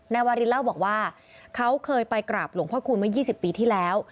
วารินเล่าบอกว่าเขาเคยไปกราบหลวงพ่อคูณเมื่อ๒๐ปีที่แล้ว